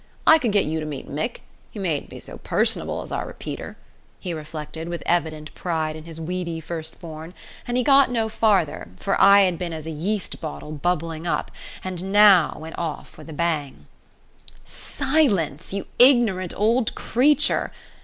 I could get you to meet Mick he mayn't be so personable as our Peter," he reflected, with evident pride in his weedy firstborn, and he got no farther, for I had been as a yeast bottle bubbling up, and now went off bang! "Silence, you ignorant old creature!